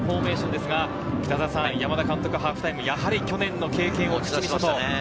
山田監督、ハーフタイム、去年の経験を言っていましたね。